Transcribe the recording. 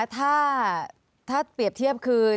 ถ้าเปรียบเทียบคือ